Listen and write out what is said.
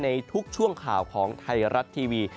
ในทุกช่วงข่าวของไทยรัฐทีวี